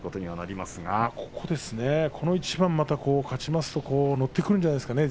この一番に勝ちますと、乗ってくるんじゃないですかね